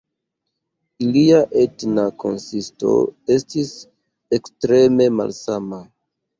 Ilia etna konsisto estis ekstreme malsama.